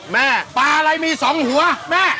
แม่ปลาอะไรมีสองหัวแม่